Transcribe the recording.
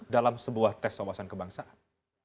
dalam sebuah tes wawasan kebangsaan